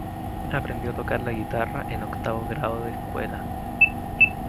Aprendió a tocar la guitarra en octavo grado de escuela.